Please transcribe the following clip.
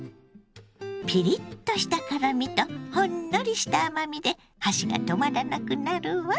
ピリッとした辛みとほんのりした甘みで箸が止まらなくなるわ。